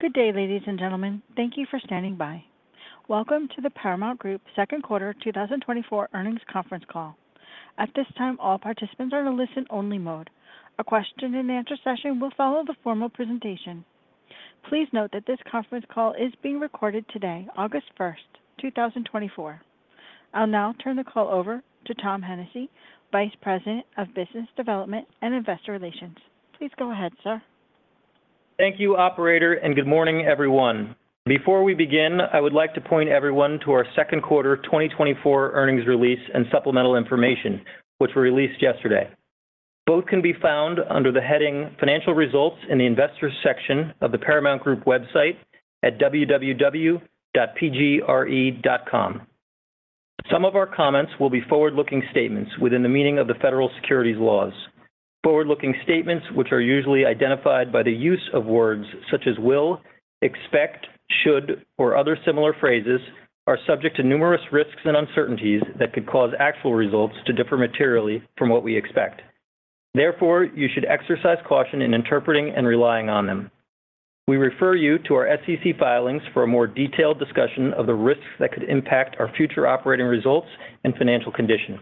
Good day, ladies and gentlemen. Thank you for standing by. Welcome to the Paramount Group Second Quarter 2024 earnings conference call. At this time, all participants are in a listen-only mode. A question-and-answer session will follow the formal presentation. Please note that this conference call is being recorded today, August 1st, 2024. I'll now turn the call over to Tom Hennessy, Vice President of Business Development and Investor Relations. Please go ahead, sir. Thank you, Operator, and good morning, everyone. Before we begin, I would like to point everyone to our Second Quarter 2024 earnings release and supplemental information, which were released yesterday. Both can be found under the heading "Financial Results" in the Investor Section of the Paramount Group website at www.pgre.com. Some of our comments will be forward-looking statements within the meaning of the federal securities laws. Forward-looking statements, which are usually identified by the use of words such as "will," "expect," "should," or other similar phrases, are subject to numerous risks and uncertainties that could cause actual results to differ materially from what we expect. Therefore, you should exercise caution in interpreting and relying on them. We refer you to our SEC filings for a more detailed discussion of the risks that could impact our future operating results and financial condition.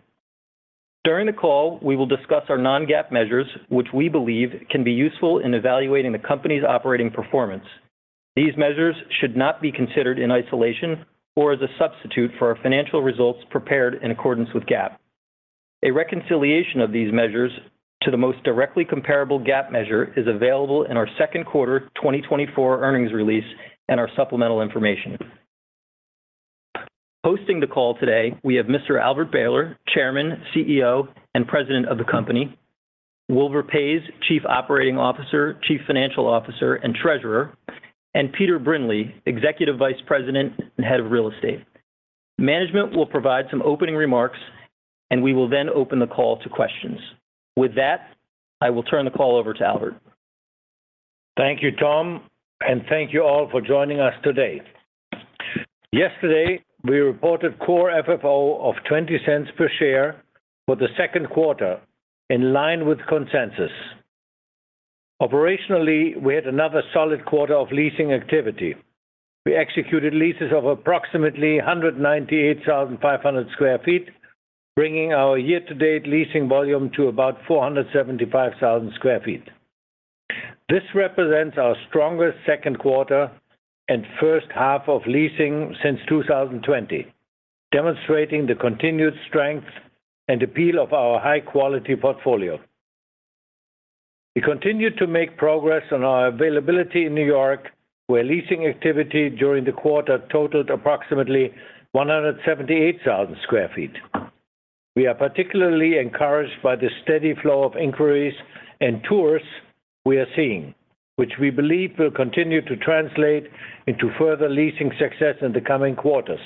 During the call, we will discuss our non-GAAP measures, which we believe can be useful in evaluating the company's operating performance. These measures should not be considered in isolation or as a substitute for our financial results prepared in accordance with GAAP. A reconciliation of these measures to the most directly comparable GAAP measure is available in our Second Quarter 2024 earnings release and our supplemental information. Hosting the call today, we have Mr. Albert Behler, Chairman, CEO, and President of the company; Wilbur Paes, Chief Operating Officer, Chief Financial Officer, and Treasurer; and Peter Brindley, Executive Vice President and Head of Real Estate. Management will provide some opening remarks, and we will then open the call to questions. With that, I will turn the call over to Albert. Thank you, Tom, and thank you all for joining us today. Yesterday, we reported core FFO of $0.20 per share for the second quarter, in line with consensus. Operationally, we had another solid quarter of leasing activity. We executed leases of approximately 198,500 sq ft, bringing our year-to-date leasing volume to about 475,000 sq ft. This represents our strongest second quarter and first half of leasing since 2020, demonstrating the continued strength and appeal of our high-quality portfolio. We continue to make progress on our availability in New York, where leasing activity during the quarter totaled approximately 178,000 sq ft. We are particularly encouraged by the steady flow of inquiries and tours we are seeing, which we believe will continue to translate into further leasing success in the coming quarters.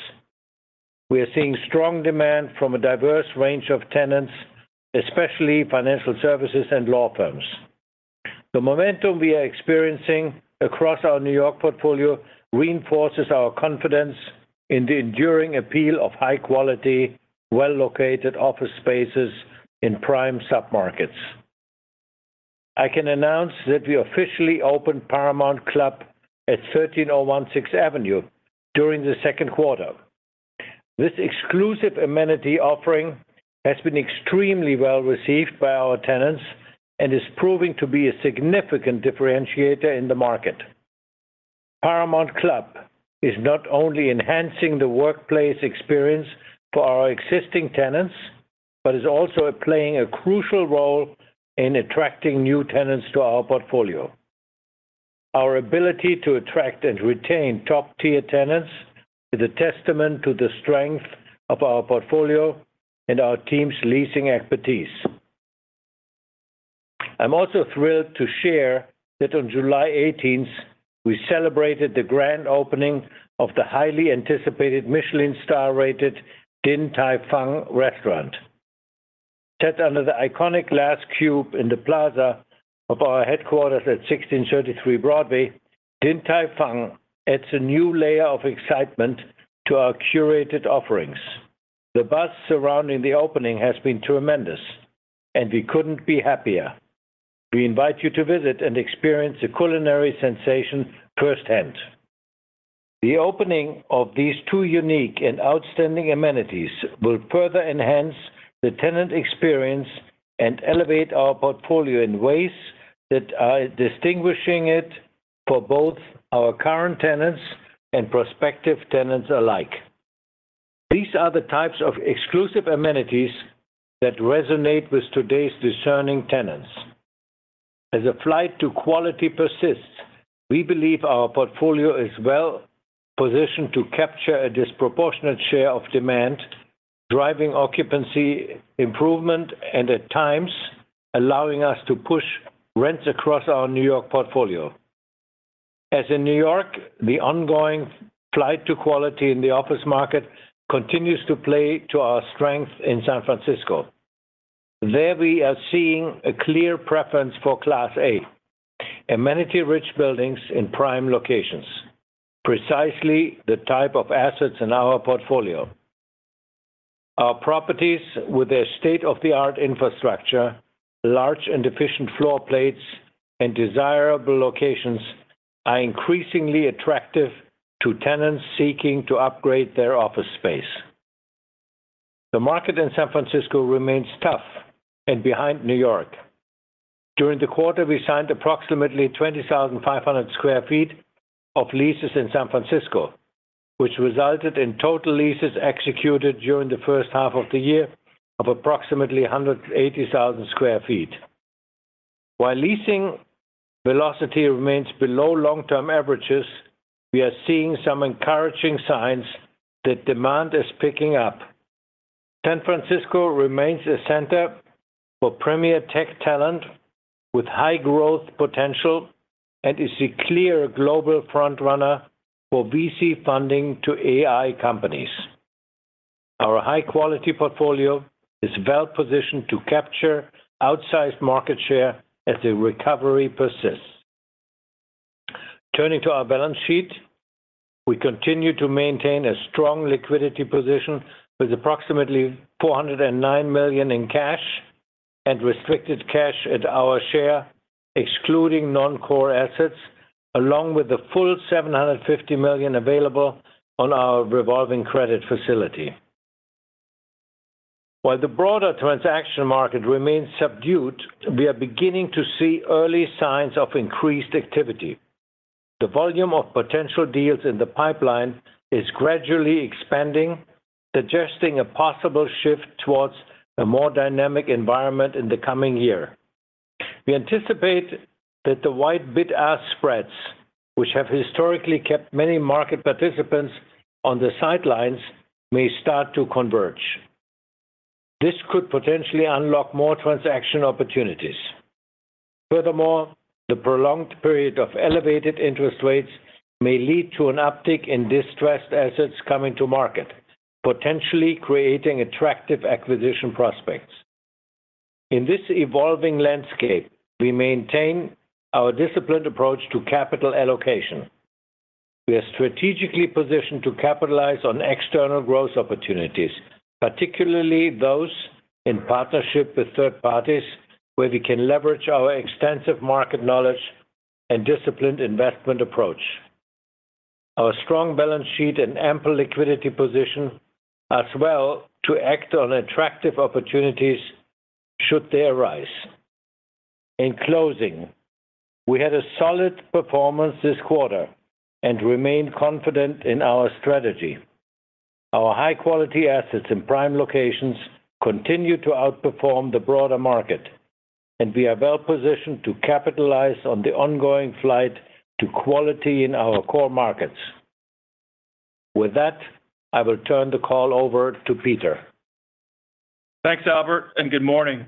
We are seeing strong demand from a diverse range of tenants, especially financial services and law firms. The momentum we are experiencing across our New York portfolio reinforces our confidence in the enduring appeal of high-quality, well-located office spaces in prime submarkets. I can announce that we officially opened Paramount Club at 1301 Avenue of the Americas during the second quarter. This exclusive amenity offering has been extremely well received by our tenants and is proving to be a significant differentiator in the market. Paramount Club is not only enhancing the workplace experience for our existing tenants but is also playing a crucial role in attracting new tenants to our portfolio. Our ability to attract and retain top-tier tenants is a testament to the strength of our portfolio and our team's leasing expertise. I'm also thrilled to share that on July 18th, we celebrated the grand opening of the highly anticipated Michelin-star-rated Din Tai Fung restaurant. Set under the iconic glass cube in the plaza of our headquarters at 1633 Broadway, Din Tai Fung adds a new layer of excitement to our curated offerings. The buzz surrounding the opening has been tremendous, and we couldn't be happier. We invite you to visit and experience the culinary sensation firsthand. The opening of these two unique and outstanding amenities will further enhance the tenant experience and elevate our portfolio in ways that are distinguishing it for both our current tenants and prospective tenants alike. These are the types of exclusive amenities that resonate with today's discerning tenants. As a flight to quality persists, we believe our portfolio is well positioned to capture a disproportionate share of demand, driving occupancy improvement and, at times, allowing us to push rents across our New York portfolio. As in New York, the ongoing flight to quality in the office market continues to play to our strength in San Francisco. There we are seeing a clear preference for Class A, amenity-rich buildings in prime locations, precisely the type of assets in our portfolio. Our properties, with their state-of-the-art infrastructure, large and efficient floor plates, and desirable locations, are increasingly attractive to tenants seeking to upgrade their office space. The market in San Francisco remains tough and behind New York. During the quarter, we signed approximately 20,500 sq ft of leases in San Francisco, which resulted in total leases executed during the first half of the year of approximately 180,000 sq ft. While leasing velocity remains below long-term averages, we are seeing some encouraging signs that demand is picking up. San Francisco remains a center for premier tech talent with high growth potential and is a clear global front-runner for VC funding to AI companies. Our high-quality portfolio is well positioned to capture outsized market share as the recovery persists. Turning to our balance sheet, we continue to maintain a strong liquidity position with approximately $409 million in cash and restricted cash at our share, excluding non-core assets, along with the full $750 million available on our revolving credit facility. While the broader transaction market remains subdued, we are beginning to see early signs of increased activity. The volume of potential deals in the pipeline is gradually expanding, suggesting a possible shift towards a more dynamic environment in the coming year. We anticipate that the wide bid-ask spreads, which have historically kept many market participants on the sidelines, may start to converge. This could potentially unlock more transaction opportunities. Furthermore, the prolonged period of elevated interest rates may lead to an uptick in distressed assets coming to market, potentially creating attractive acquisition prospects. In this evolving landscape, we maintain our disciplined approach to capital allocation. We are strategically positioned to capitalize on external growth opportunities, particularly those in partnership with third parties, where we can leverage our extensive market knowledge and disciplined investment approach. Our strong balance sheet and ample liquidity position are well to act on attractive opportunities should they arise. In closing, we had a solid performance this quarter and remain confident in our strategy. Our high-quality assets in prime locations continue to outperform the broader market, and we are well positioned to capitalize on the ongoing flight to quality in our core markets. With that, I will turn the call over to Peter. Thanks, Albert, and good morning.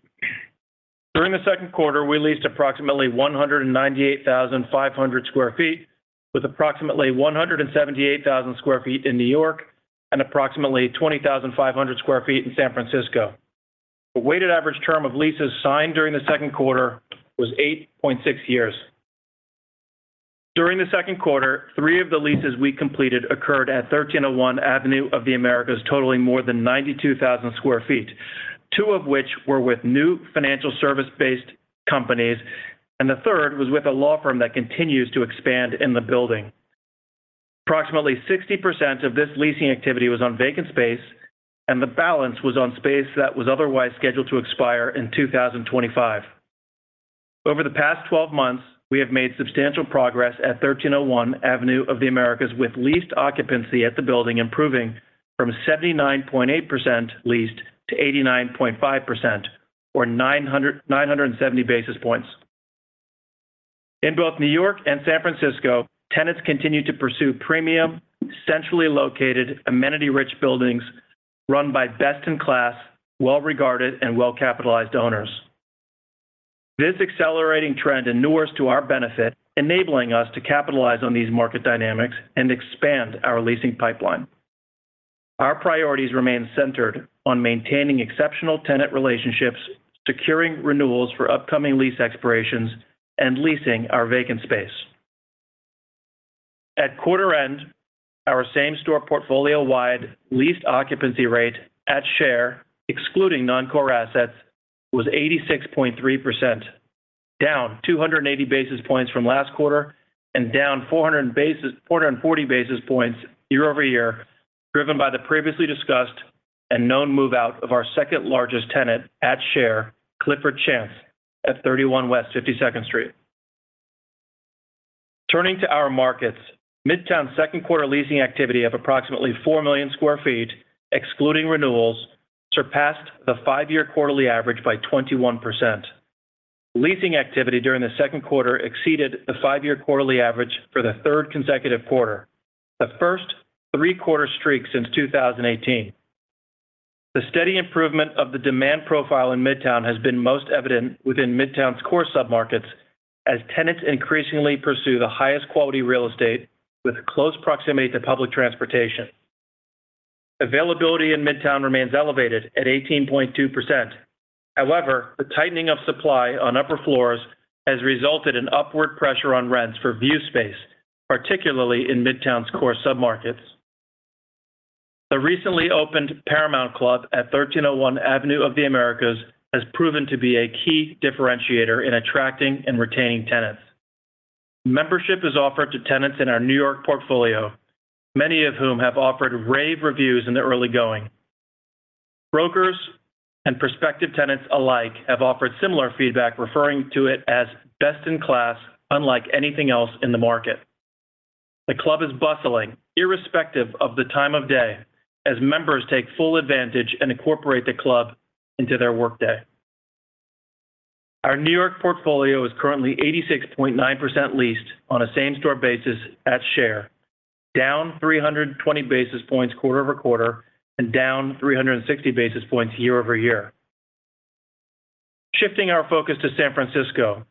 During the second quarter, we leased approximately 198,500 sq ft, with approximately 178,000 sq ft in New York and approximately 20,500 sq ft in San Francisco. The weighted average term of leases signed during the second quarter was 8.6 years. During the second quarter, three of the leases we completed occurred at 1301 Avenue of the Americas, totaling more than 92,000 sq ft, two of which were with new financial service-based companies, and the third was with a law firm that continues to expand in the building. Approximately 60% of this leasing activity was on vacant space, and the balance was on space that was otherwise scheduled to expire in 2025. Over the past 12 months, we have made substantial progress at 1301 Avenue of the Americas, with leased occupancy at the building improving from 79.8% leased to 89.5%, or 970 basis points. In both New York and San Francisco, tenants continue to pursue premium, centrally located, amenity-rich buildings run by best-in-class, well-regarded, and well-capitalized owners. This accelerating trend endures to our benefit, enabling us to capitalize on these market dynamics and expand our leasing pipeline. Our priorities remain centered on maintaining exceptional tenant relationships, securing renewals for upcoming lease expirations, and leasing our vacant space. At quarter end, our same-store portfolio-wide leased occupancy rate at share, excluding non-core assets, was 86.3%, down 280 basis points from last quarter and down 440 basis points year-over-year, driven by the previously discussed and known move-out of our second-largest tenant at share, Clifford Chance, at 31 West 52nd Street. Turning to our markets, Midtown's second-quarter leasing activity of approximately 4 million sq ft, excluding renewals, surpassed the five-year quarterly average by 21%. Leasing activity during the second quarter exceeded the five-year quarterly average for the third consecutive quarter, the first three-quarter streak since 2018. The steady improvement of the demand profile in Midtown has been most evident within Midtown's core submarkets, as tenants increasingly pursue the highest-quality real estate with close proximity to public transportation. Availability in Midtown remains elevated at 18.2%. However, the tightening of supply on upper floors has resulted in upward pressure on rents for view space, particularly in Midtown's core submarkets. The recently opened Paramount Club at 1301 Avenue of the Americas has proven to be a key differentiator in attracting and retaining tenants. Membership is offered to tenants in our New York portfolio, many of whom have offered rave reviews in the early going. Brokers and prospective tenants alike have offered similar feedback, referring to it as best-in-class, unlike anything else in the market. The club is bustling, irrespective of the time of day, as members take full advantage and incorporate the club into their workday. Our New York portfolio is currently 86.9% leased on a same-store basis at share, down 320 basis points quarter-over-quarter and down 360 basis points year-over-year. Shifting our focus to San Francisco,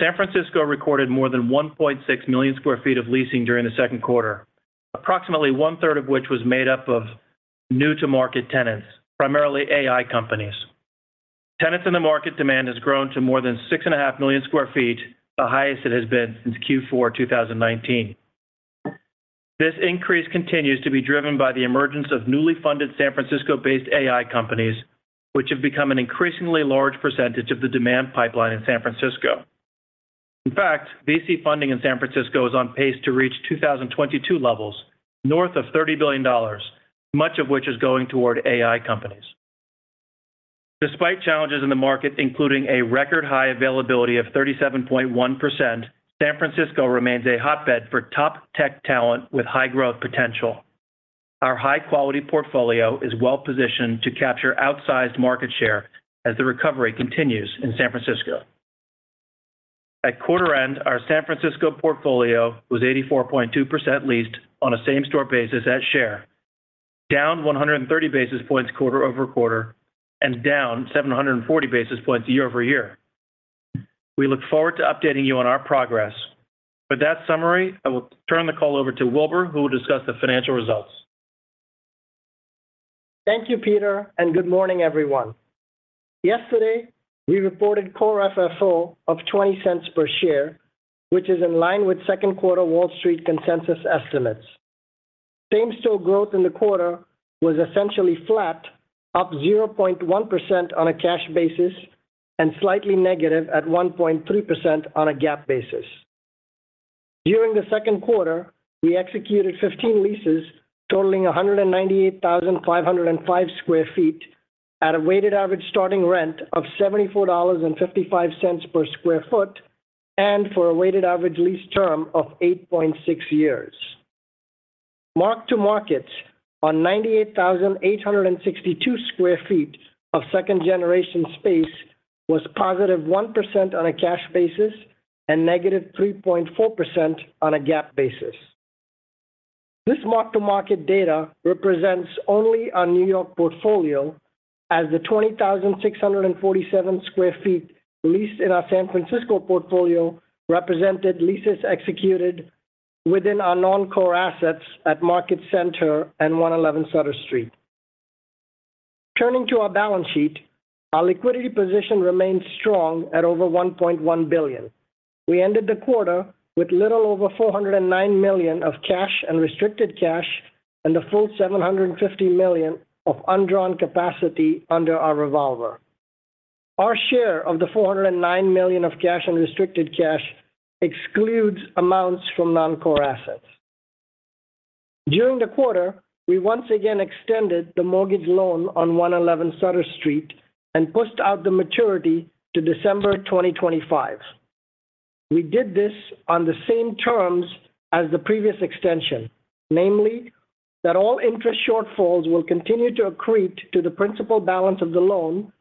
San Francisco recorded more than 1.6 million sq ft of leasing during the second quarter, approximately one-third of which was made up of new-to-market tenants, primarily AI companies. Tenants in the market demand has grown to more than 6.5 million sq ft, the highest it has been since Q4 2019. This increase continues to be driven by the emergence of newly funded San Francisco-based AI companies, which have become an increasingly large percentage of the demand pipeline in San Francisco. In fact, VC funding in San Francisco is on pace to reach 2022 levels, north of $30 billion, much of which is going toward AI companies. Despite challenges in the market, including a record-high availability of 37.1%, San Francisco remains a hotbed for top tech talent with high-growth potential. Our high-quality portfolio is well positioned to capture outsized market share as the recovery continues in San Francisco. At quarter end, our San Francisco portfolio was 84.2% leased on a same-store basis at share, down 130 basis points quarter-over-quarter and down 740 basis points year-over-year. We look forward to updating you on our progress. With that summary, I will turn the call over to Wilbur, who will discuss the financial results. Thank you, Peter, and good morning, everyone. Yesterday, we reported core FFO of $0.20 per share, which is in line with second-quarter Wall Street consensus estimates. Same-store growth in the quarter was essentially flat, up 0.1% on a cash basis and slightly negative at 1.3% on a GAAP basis. During the second quarter, we executed 15 leases totaling 198,505 sq ft at a weighted average starting rent of $74.55 per sq ft and for a weighted average lease term of 8.6 years. Mark-to-market on 98,862 sq ft of second-generation space was positive 1% on a cash basis and negative 3.4% on a GAAP basis. This mark-to-market data represents only our New York portfolio, as the 20,647 sq ft leased in our San Francisco portfolio represented leases executed within our non-core assets at Market Center and 111 Sutter Street. Turning to our balance sheet, our liquidity position remains strong at over $1.1 billion. We ended the quarter with little over $409 million of cash and restricted cash and the full $750 million of undrawn capacity under our revolver. Our share of the $409 million of cash and restricted cash excludes amounts from non-core assets. During the quarter, we once again extended the mortgage loan on 111 Sutter Street and pushed out the maturity to December 2025. We did this on the same terms as the previous extension, namely that all interest shortfalls will continue to accrete to the principal balance of the loan,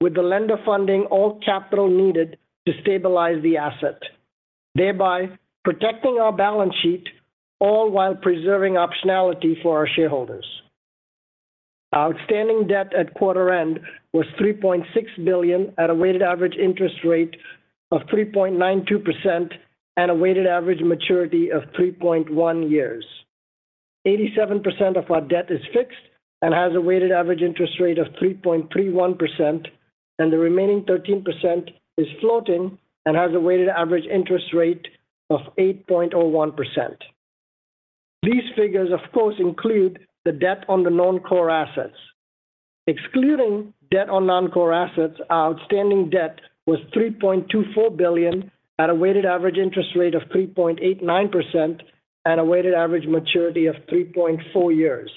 with the lender funding all capital needed to stabilize the asset, thereby protecting our balance sheet all while preserving optionality for our shareholders. Outstanding debt at quarter end was $3.6 billion at a weighted average interest rate of 3.92% and a weighted average maturity of 3.1 years. 87% of our debt is fixed and has a weighted average interest rate of 3.31%, and the remaining 13% is floating and has a weighted average interest rate of 8.01%. These figures, of course, include the debt on the non-core assets. Excluding debt on non-core assets, our outstanding debt was $3.24 billion at a weighted average interest rate of 3.89% and a weighted average maturity of 3.4 years,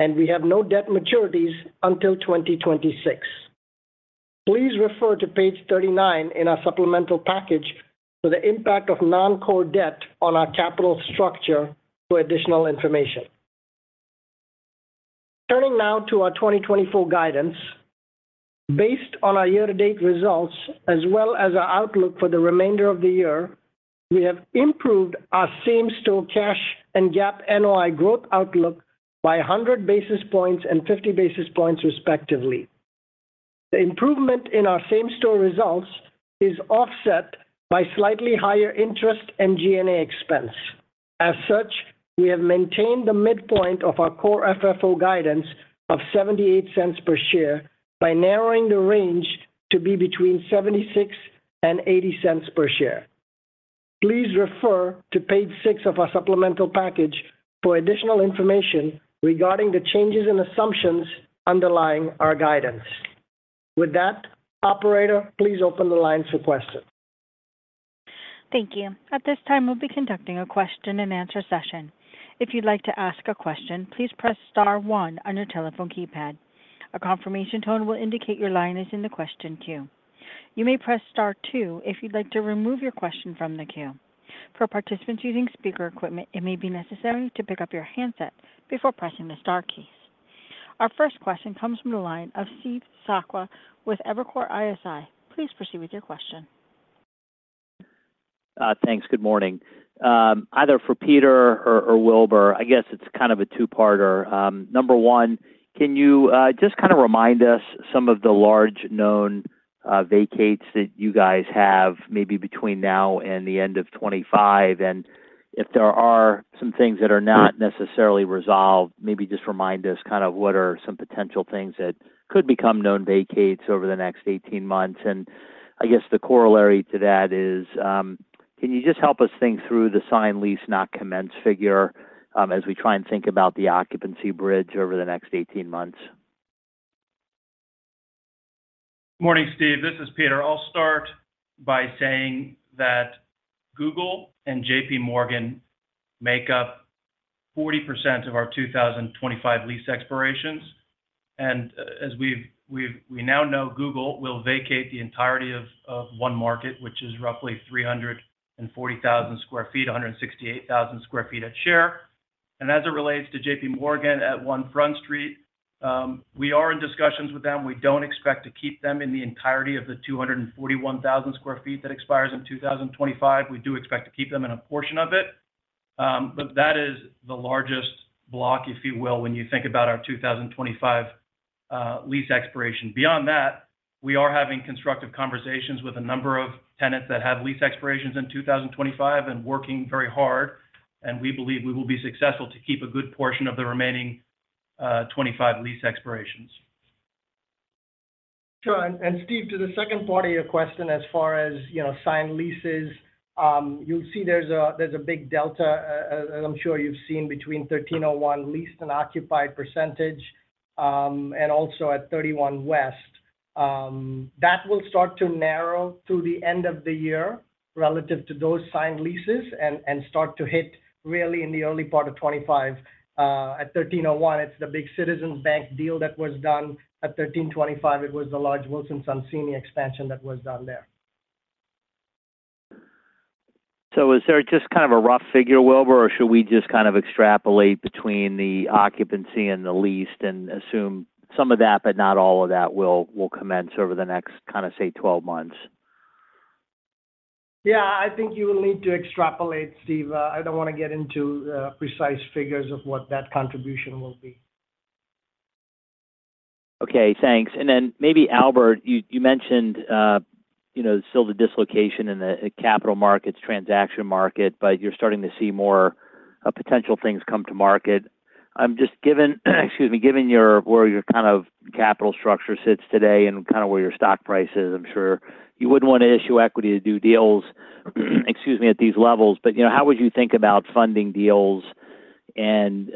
and we have no debt maturities until 2026. Please refer to page 39 in our supplemental package for the impact of non-core debt on our capital structure for additional information. Turning now to our 2024 guidance, based on our year-to-date results as well as our outlook for the remainder of the year, we have improved our same-store cash and GAAP NOI growth outlook by 100 basis points and 50 basis points, respectively. The improvement in our same-store results is offset by slightly higher interest and G&A expense. As such, we have maintained the midpoint of our core FFO guidance of $0.78 per share by narrowing the range to be between $0.76 and $0.80 per share. Please refer to page 6 of our supplemental package for additional information regarding the changes and assumptions underlying our guidance. With that, Operator, please open the lines for questions. Thank you. At this time, we'll be conducting a question-and-answer session. If you'd like to ask a question, please press star one on your telephone keypad. A confirmation tone will indicate your line is in the question queue. You may press star two if you'd like to remove your question from the queue. For participants using speaker equipment, it may be necessary to pick up your handset before pressing the star keys. Our first question comes from the line of Steve Sakwa with Evercore ISI. Please proceed with your question. Thanks. Good morning. Either for Peter or Wilbur, I guess it's kind of a two-parter. Number one, can you just kind of remind us some of the large known vacates that you guys have maybe between now and the end of 2025? And if there are some things that are not necessarily resolved, maybe just remind us kind of what are some potential things that could become known vacates over the next 18 months. And I guess the corollary to that is, can you just help us think through the signed lease not commenced figure as we try and think about the occupancy bridge over the next 18 months? Morning, Steve. This is Peter. I'll start by saying that Google and J.P. Morgan make up 40% of our 2025 lease expirations. And as we now know, Google will vacate the entirety of One Market, which is roughly 340,000 sq ft, 168,000 sq ft at share. And as it relates to J.P. Morgan at One Front Street, we are in discussions with them. We don't expect to keep them in the entirety of the 241,000 sq ft that expires in 2025. We do expect to keep them in a portion of it, but that is the largest block, if you will, when you think about our 2025 lease expiration. Beyond that, we are having constructive conversations with a number of tenants that have lease expirations in 2025 and working very hard, and we believe we will be successful to keep a good portion of the remaining 2025 lease expirations. Sure. And Steve, to the second part of your question as far as signed leases, you'll see there's a big delta, as I'm sure you've seen, between 1301 leased and occupied percentage and also at 31 West. That will start to narrow through the end of the year relative to those signed leases and start to hit really in the early part of 2025. At 1301, it's the big Citizens Bank deal that was done. At 1325, it was the large Wilson Sonsini expansion that was done there. So is there just kind of a rough figure, Wilbur, or should we just kind of extrapolate between the occupancy and the leased and assume some of that, but not all of that will commence over the next, kind of say, 12 months? Yeah. I think you will need to extrapolate, Steve. I don't want to get into precise figures of what that contribution will be. Okay. Thanks. And then maybe Albert, you mentioned still the dislocation in the capital markets, transaction market, but you're starting to see more potential things come to market. Excuse me, given where your kind of capital structure sits today and kind of where your stock price is, I'm sure you wouldn't want to issue equity to do deals, excuse me, at these levels. But how would you think about funding deals? And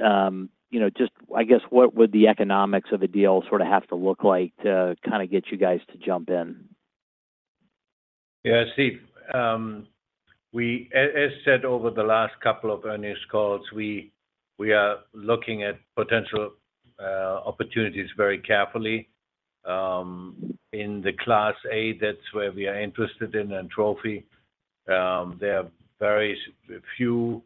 just, I guess, what would the economics of a deal sort of have to look like to kind of get you guys to jump in? Yeah. Steve, as said over the last couple of earnings calls, we are looking at potential opportunities very carefully. In the Class A, that's where we are interested in and Trophy. There are very few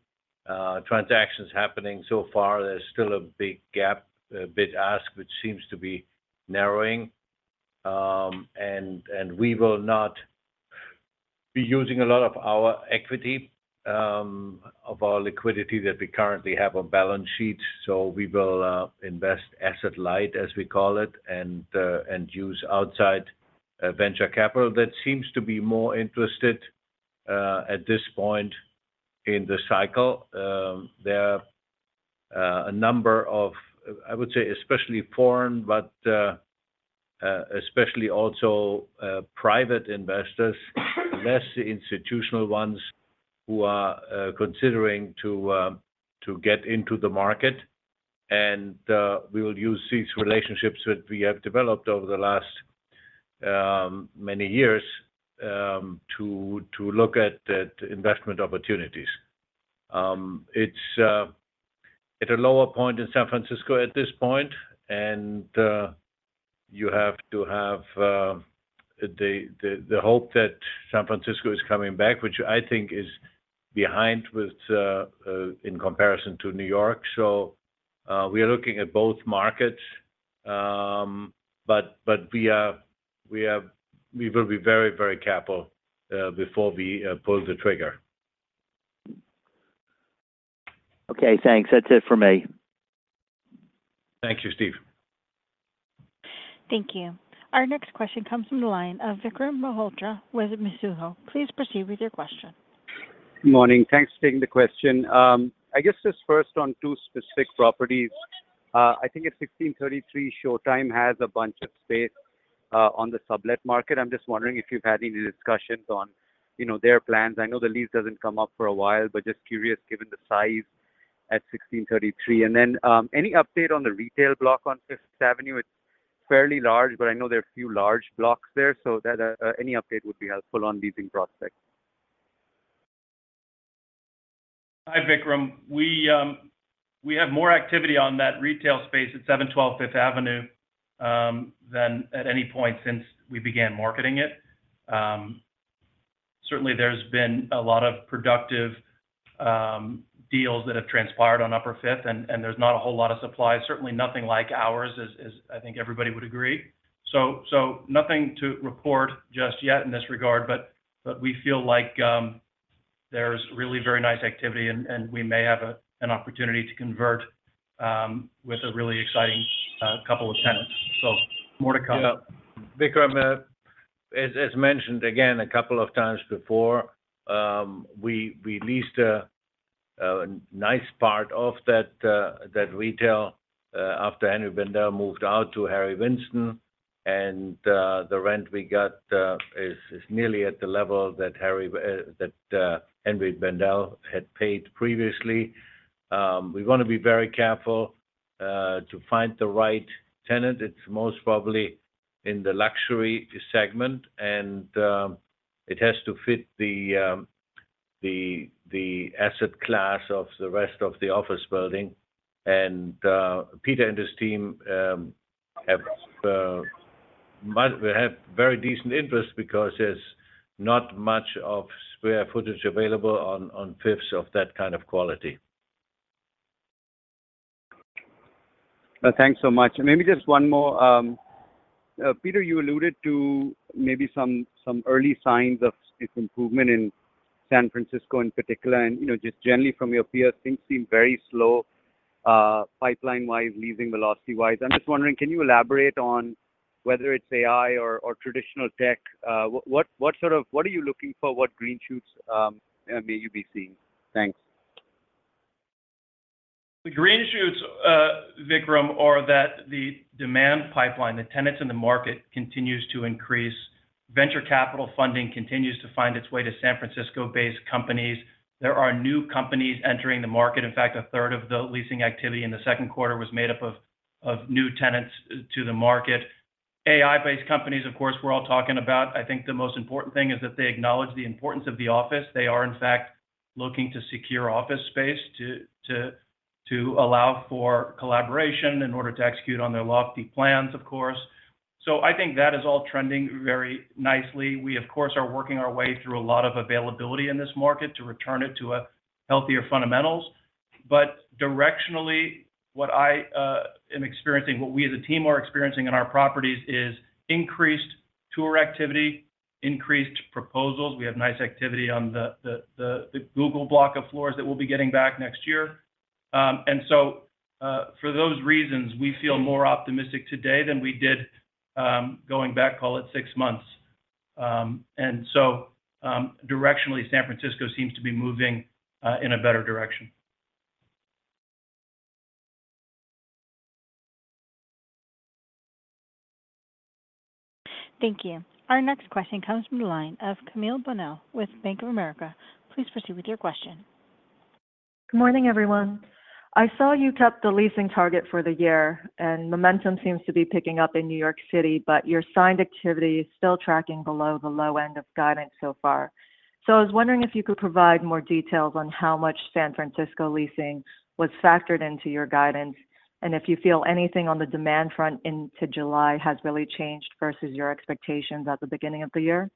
transactions happening so far. There's still a big gap, a bid-ask which seems to be narrowing. And we will not be using a lot of our equity, of our liquidity that we currently have on balance sheets. So we will invest asset light, as we call it, and use outside venture capital that seems to be more interested at this point in the cycle. There are a number of, I would say, especially foreign, but especially also private investors, less institutional ones, who are considering to get into the market. And we will use these relationships that we have developed over the last many years to look at investment opportunities. It's at a lower point in San Francisco at this point, and you have to have the hope that San Francisco is coming back, which I think is behind in comparison to New York. So we are looking at both markets, but we will be very, very careful before we pull the trigger. Okay. Thanks. That's it for me. Thank you, Steve. Thank you. Our next question comes from the line of Vikram Malhotra with Mizuho. Please proceed with your question. Morning. Thanks for taking the question. I guess just first on two specific properties. I think at 1633, Showtime has a bunch of space on the sublet market. I'm just wondering if you've had any discussions on their plans. I know the lease doesn't come up for a while, but just curious given the size at 1633. And then any update on the retail block on Fifth Avenue? It's fairly large, but I know there are a few large blocks there. So any update would be helpful on leasing prospects. Hi, Vikram. We have more activity on that retail space at 712 Fifth Avenue than at any point since we began marketing it. Certainly, there's been a lot of productive deals that have transpired on Upper Fifth, and there's not a whole lot of supply. Certainly, nothing like ours, as I think everybody would agree. So nothing to report just yet in this regard, but we feel like there's really very nice activity, and we may have an opportunity to convert with a really exciting couple of tenants. So more to come. Yeah. Vikram, as mentioned again a couple of times before, we leased a nice part of that retail after Henri Bendel moved out to Harry Winston, and the rent we got is nearly at the level that Henri Bendel had paid previously. We want to be very careful to find the right tenant. It's most probably in the luxury segment, and it has to fit the asset class of the rest of the office building. Peter and his team have very decent interest because there's not much of square footage available on Fifth Avenue of that kind of quality. Thanks so much. Maybe just one more. Peter, you alluded to maybe some early signs of improvement in San Francisco in particular, and just generally from your peers, things seem very slow pipeline-wise, leasing velocity-wise. I'm just wondering, can you elaborate on whether it's AI or traditional tech? What are you looking for? What green shoots may you be seeing? Thanks. The green shoots, Vikram, are that the demand pipeline, the tenants in the market, continues to increase. Venture capital funding continues to find its way to San Francisco-based companies. There are new companies entering the market. In fact, a third of the leasing activity in the second quarter was made up of new tenants to the market. AI-based companies, of course, we're all talking about. I think the most important thing is that they acknowledge the importance of the office. They are, in fact, looking to secure office space to allow for collaboration in order to execute on their lofty plans, of course. So I think that is all trending very nicely. We, of course, are working our way through a lot of availability in this market to return it to healthier fundamentals. But directionally, what I am experiencing, what we as a team are experiencing in our properties is increased tour activity, increased proposals. We have nice activity on the Google block of floors that we'll be getting back next year. And so for those reasons, we feel more optimistic today than we did going back, call it, six months. And so directionally, San Francisco seems to be moving in a better direction. Thank you. Our next question comes from the line of Camille Bonnel with Bank of America. Please proceed with your question. Good morning, everyone. I saw you kept the leasing target for the year, and momentum seems to be picking up in New York City, but your signed activity is still tracking below the low end of guidance so far. So I was wondering if you could provide more details on how much San Francisco leasing was factored into your guidance and if you feel anything on the demand front into July has really changed versus your expectations at the beginning of the year.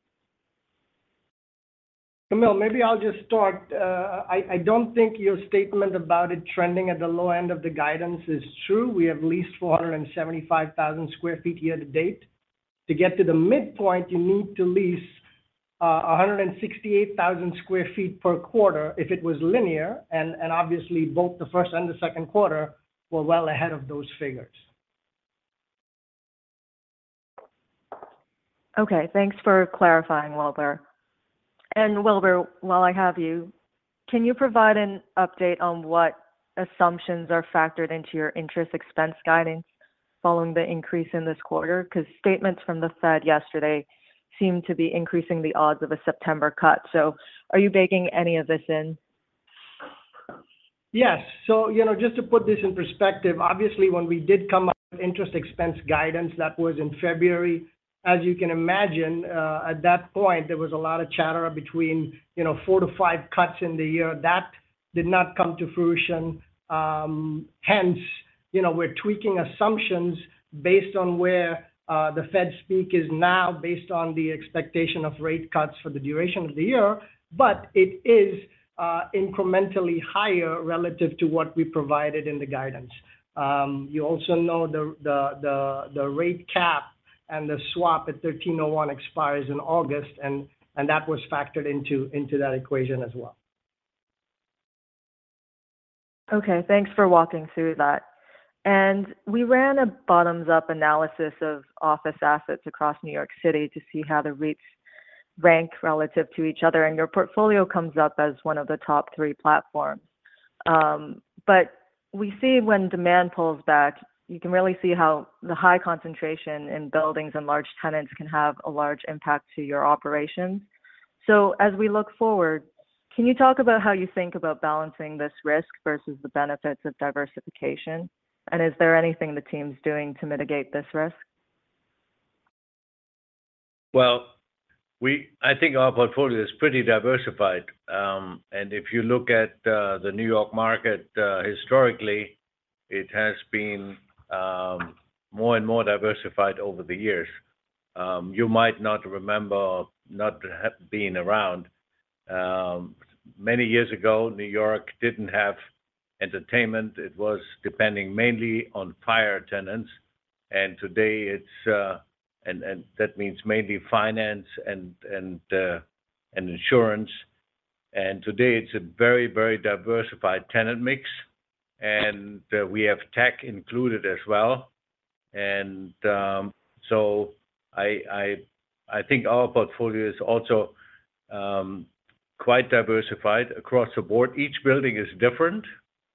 Camille, maybe I'll just start. I don't think your statement about it trending at the low end of the guidance is true. We have leased 475,000 sq ft Year to Date. To get to the midpoint, you need to lease 168,000 sq ft per quarter if it was linear. And obviously, both the first and the second quarter were well ahead of those figures. Okay. Thanks for clarifying, Wilbur. And Wilbur, while I have you, can you provide an update on what assumptions are factored into your interest expense guidance following the increase in this quarter? Because statements from the Fed yesterday seem to be increasing the odds of a September cut. So are you baking any of this in? Yes. So just to put this in perspective, obviously, when we did come up with interest expense guidance, that was in February. As you can imagine, at that point, there was a lot of chatter between 4-5 cuts in the year. That did not come to fruition. Hence, we're tweaking assumptions based on where the Fed speak is now based on the expectation of rate cuts for the duration of the year, but it is incrementally higher relative to what we provided in the guidance. You also know the rate cap and the swap at 1301 expires in August, and that was factored into that equation as well. Okay. Thanks for walking through that. We ran a bottoms-up analysis of office assets across New York City to see how the rates rank relative to each other. Your portfolio comes up as one of the top three platforms. But we see when demand pulls back, you can really see how the high concentration in buildings and large tenants can have a large impact to your operations. As we look forward, can you talk about how you think about balancing this risk versus the benefits of diversification? Is there anything the team's doing to mitigate this risk? Well, I think our portfolio is pretty diversified. If you look at the New York market historically, it has been more and more diversified over the years. You might not remember not being around. Many years ago, New York didn't have entertainment. It was depending mainly on financial tenants. And today, that means mainly finance and insurance. Today, it's a very, very diversified tenant mix. We have tech included as well. So I think our portfolio is also quite diversified across the board. Each building is different.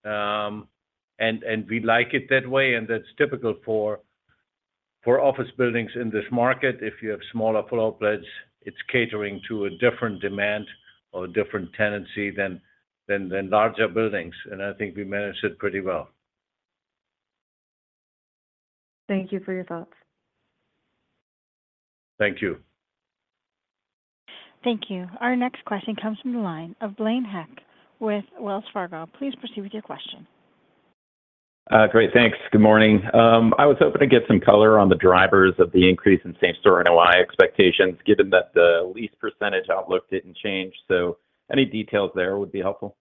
We like it that way. That's typical for office buildings in this market. If you have smaller floor plans, it's catering to a different demand or a different tenancy than larger buildings. I think we manage it pretty well. Thank you for your thoughts. Thank you. Thank you. Our next question comes from the line of Blaine Heck with Wells Fargo. Please proceed with your question. Great. Thanks. Good morning. I was hoping to get some color on the drivers of the increase in same-store NOI expectations, given that the lease percentage outlook didn't change. Any details there would be helpful.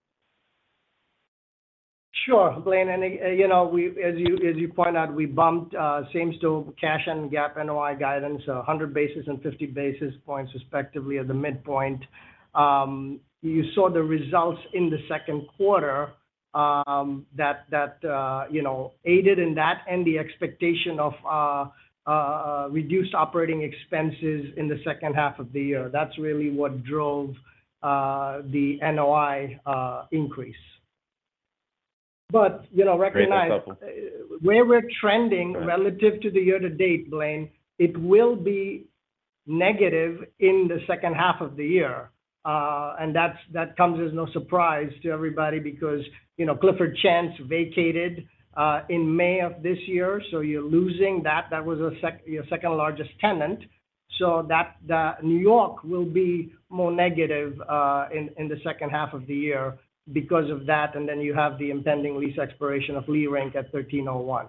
Sure. Blaine, as you point out, we bumped same-store cash and GAAP NOI guidance 100 basis points and 50 basis points respectively at the midpoint. You saw the results in the second quarter that aided in that and the expectation of reduced operating expenses in the second half of the year. That's really what drove the NOI increase. But recognize. Very helpful. Where we're trending relative to the Year to Date, Blaine, it will be negative in the second half of the year. That comes as no surprise to everybody because Clifford Chance vacated in May of this year. You're losing that. That was your second largest tenant. New York will be more negative in the second half of the year because of that. Then you have the impending lease expiration of Leerink at 1301.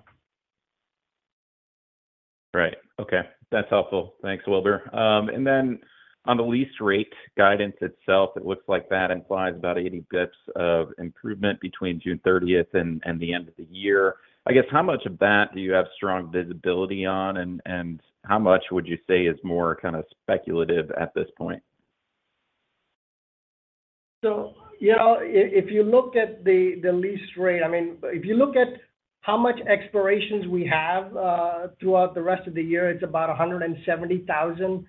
Right. Okay. That's helpful. Thanks, Wilbur. And then on the lease rate guidance itself, it looks like that implies about 80 basis points of improvement between June 30th and the end of the year. I guess how much of that do you have strong visibility on? And how much would you say is more kind of speculative at this point? So if you look at the lease rate, I mean, if you look at how much expirations we have throughout the rest of the year, it's about 170,000.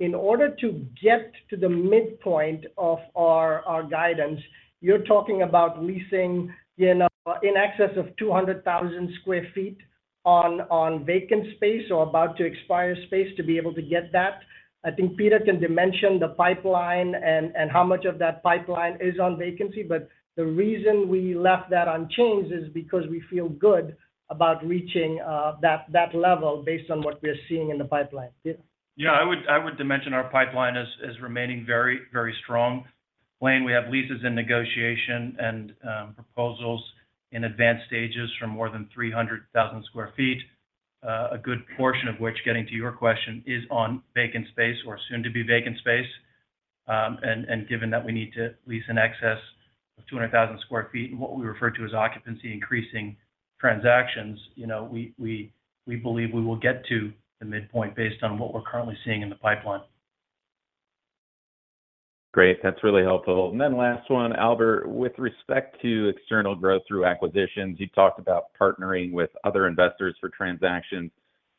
In order to get to the midpoint of our guidance, you're talking about leasing in excess of 200,000 sq ft on vacant space or about to expire space to be able to get that. I think Peter can dimension the pipeline and how much of that pipeline is on vacancy. But the reason we left that unchanged is because we feel good about reaching that level based on what we're seeing in the pipeline. Yeah. I would dimension our pipeline as remaining very, very strong. Blaine, we have leases in negotiation and proposals in advanced stages for more than 300,000 sq ft, a good portion of which, getting to your question, is on vacant space or soon-to-be vacant space. And given that we need to lease in excess of 200,000 sq ft and what we refer to as occupancy-increasing transactions, we believe we will get to the midpoint based on what we're currently seeing in the pipeline. Great. That's really helpful. And then last one, Albert, with respect to external growth through acquisitions, you talked about partnering with other investors for transactions.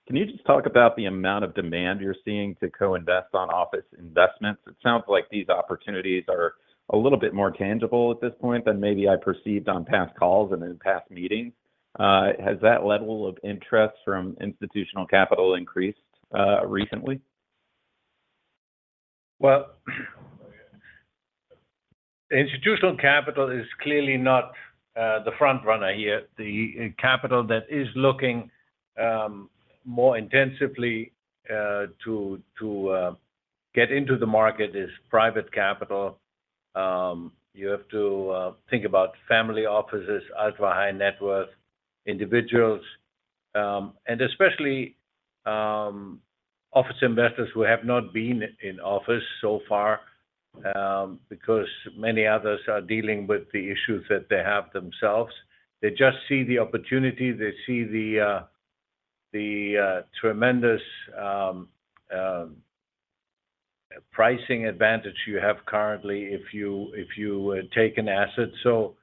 Can you just talk about the amount of demand you're seeing to co-invest on office investments? It sounds like these opportunities are a little bit more tangible at this point than maybe I perceived on past calls and in past meetings. Has that level of interest from institutional capital increased recently? Well, institutional capital is clearly not the front runner here. The capital that is looking more intensively to get into the market is private capital. You have to think about family offices, ultra-high net worth individuals, and especially office investors who have not been in office so far because many others are dealing with the issues that they have themselves. They just see the opportunity. They see the tremendous pricing advantage you have currently if you take an asset. So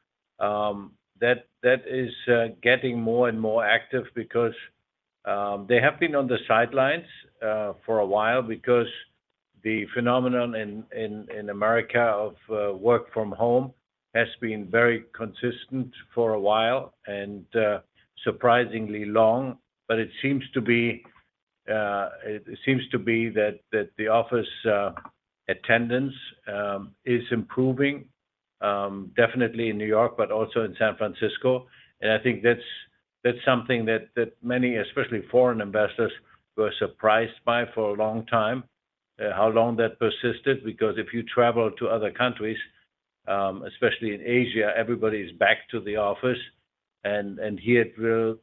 that is getting more and more active because they have been on the sidelines for a while because the phenomenon in America of work from home has been very consistent for a while and surprisingly long. But it seems to be that the office attendance is improving, definitely in New York, but also in San Francisco. I think that's something that many, especially foreign investors, were surprised by for a long time, how long that persisted. Because if you travel to other countries, especially in Asia, everybody is back to the office. And here,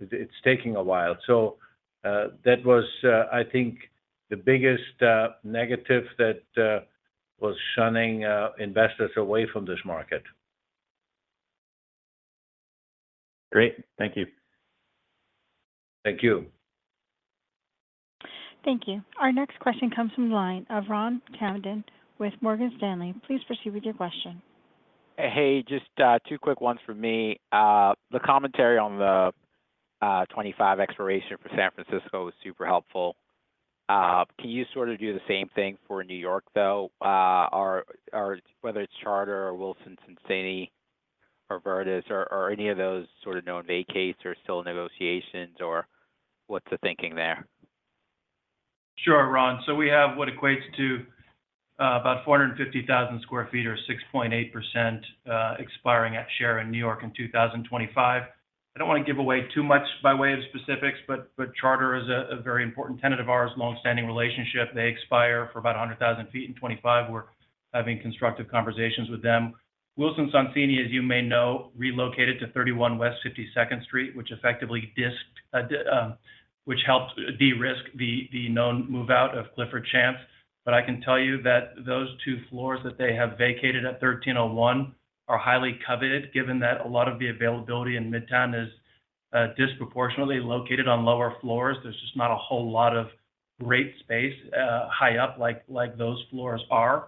it's taking a while. So that was, I think, the biggest negative that was shunning investors away from this market. Great. Thank you. Thank you. Thank you. Our next question comes from the line of Ron Kamdem with Morgan Stanley. Please proceed with your question. Hey, just two quick ones for me. The commentary on the 2025 expiration for San Francisco was super helpful. Can you sort of do the same thing for New York, though, whether it's Charter or Wilson Sonsini or Värde or any of those sort of known vacates or still in negotiations? Or what's the thinking there? Sure, Ron. So we have what equates to about 450,000 sq ft or 6.8% expiring at share in New York in 2025. I don't want to give away too much by way of specifics, but Charter is a very important tenant of ours, long-standing relationship. They expire for about 100,000 feet in 2025. We're having constructive conversations with them. Wilson Sonsini, as you may know, relocated to 31 West 52nd Street, which helped de-risk the known move-out of Clifford Chance. But I can tell you that those two floors that they have vacated at 1301 are highly coveted given that a lot of the availability in Midtown is disproportionately located on lower floors. There's just not a whole lot of great space high up like those floors are.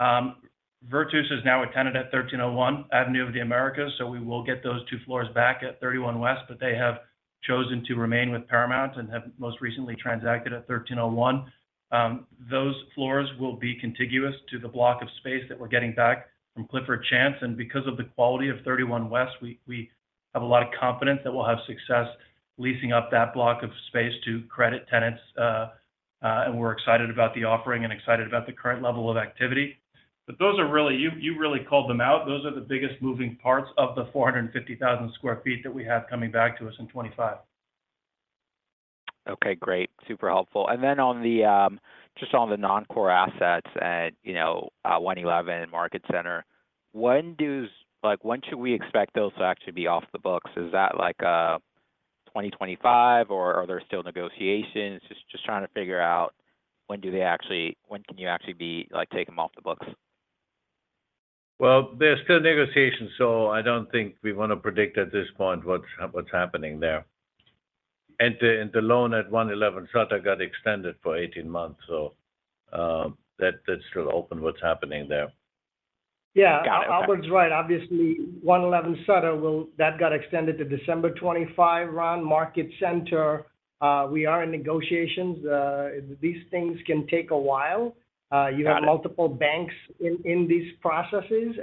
Värde is now a tenant at 1301 Avenue of the Americas. So we will get those two floors back at 31 West. But they have chosen to remain with Paramount and have most recently transacted at 1301. Those floors will be contiguous to the block of space that we're getting back from Clifford Chance. And because of the quality of 31 West, we have a lot of confidence that we'll have success leasing up that block of space to credit tenants. And we're excited about the offering and excited about the current level of activity. But you really called them out. Those are the biggest moving parts of the 450,000 sq ft that we have coming back to us in 2025. Okay. Great. Super helpful. And then just on the non-core assets at 111 Market Center, when should we expect those to actually be off the books? Is that like 2025, or are there still negotiations? Just trying to figure out when can you actually take them off the books. Well, there's still negotiations. So I don't think we want to predict at this point what's happening there. And the loan at 111 Sutter got extended for 18 months. So that's still open what's happening there. Yeah. Albert's right. Obviously, 111 Sutter, that got extended to December 2025, Ron. Market Center, we are in negotiations. These things can take a while. You have multiple banks in these processes.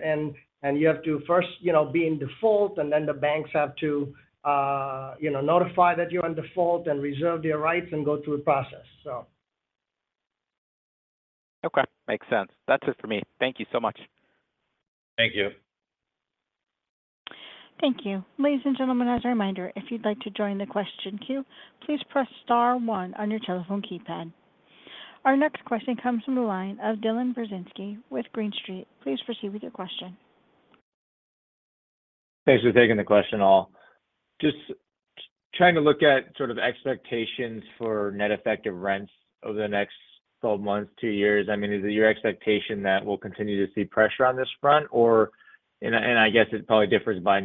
And you have to first be in default, and then the banks have to notify that you're in default and reserve their rights and go through the process, so. Okay. Makes sense. That's it for me. Thank you so much. Thank you. Thank you. Ladies and gentlemen, as a reminder, if you'd like to join the question queue, please press star one on your telephone keypad. Our next question comes from the line of Dylan Burzinski with Green Street. Please proceed with your question. Thanks for taking the question, all. Just trying to look at sort of expectations for net effective rents over the next 12 months, 2 years. I mean, is it your expectation that we'll continue to see pressure on this front? I guess it probably differs by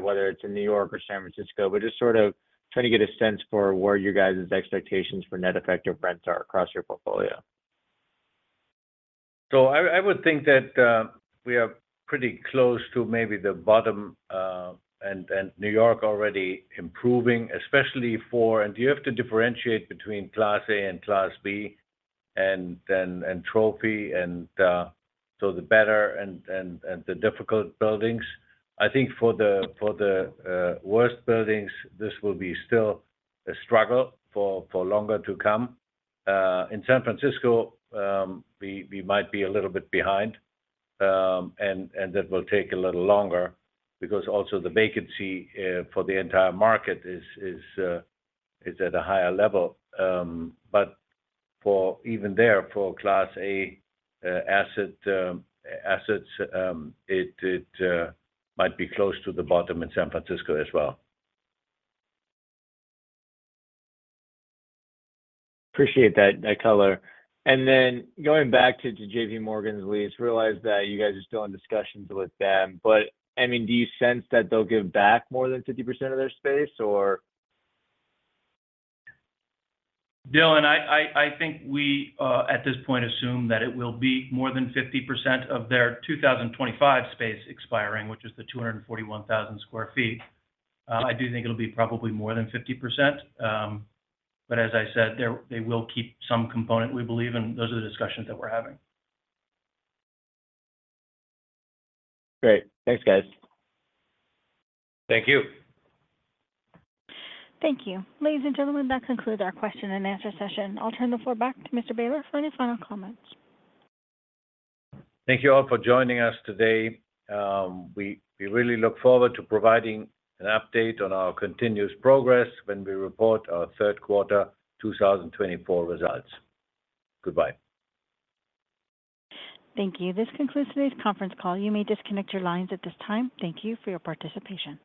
whether it's in New York or San Francisco. Just sort of trying to get a sense for where your guys' expectations for net effective rents are across your portfolio. So I would think that we are pretty close to maybe the bottom. And New York already improving, especially for, and you have to differentiate between Class A and Class B and then Trophy. And so the better and the difficult buildings. I think for the worst buildings, this will be still a struggle for longer to come. In San Francisco, we might be a little bit behind. And that will take a little longer because also the vacancy for the entire market is at a higher level. But even there, for Class A assets, it might be close to the bottom in San Francisco as well. Appreciate that color. And then going back to J.P. Morgan's lease, realize that you guys are still in discussions with them. But I mean, do you sense that they'll give back more than 50% of their space, or? Dylan, I think we at this point assume that it will be more than 50% of their 2025 space expiring, which is the 241,000 sq ft. I do think it'll be probably more than 50%. But as I said, they will keep some component, we believe. And those are the discussions that we're having. Great. Thanks, guys. Thank you. Thank you. Ladies and gentlemen, that concludes our question-and-answer session. I'll turn the floor back to Mr. Behler for any final comments. Thank you all for joining us today. We really look forward to providing an update on our continuous progress when we report our third quarter 2024 results. Goodbye. Thank you. This concludes today's conference call. You may disconnect your lines at this time. Thank you for your participation.